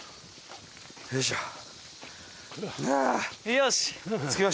よし！